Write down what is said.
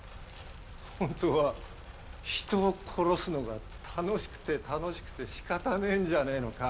本当は人を殺すのが楽しくて楽しくて仕方ねえんじゃねえのか？